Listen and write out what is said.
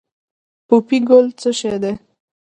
پوپی ګل څه شی دی؟